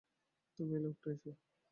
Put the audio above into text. তবে এই লোকটাই সে!